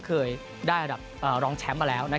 เคยได้ลองแชมป์มาแล้ว